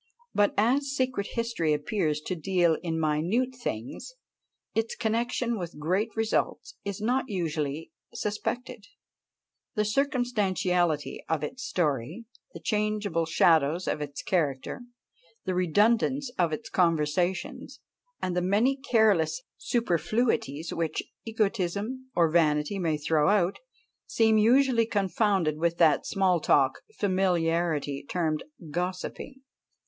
But as secret history appears to deal in minute things, its connexion with great results is not usually suspected. The circumstantiality of its story, the changeable shadows of its characters, the redundance of its conversations, and the many careless superfluities which egotism or vanity may throw out, seem usually confounded with that small talk familiarly termed gossiping.